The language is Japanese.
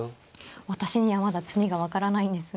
私にはまだ詰みが分からないんですが。